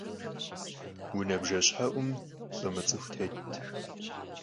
Vune bjjeşhe'um lh'ı mıts'ıxu têtt.